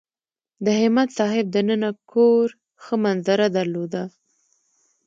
د همت صاحب دننه کور ښه منظره درلوده.